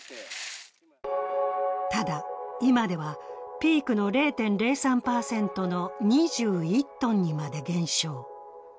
ただ、今ではピークの０．０３％の２１ｔにまで減少。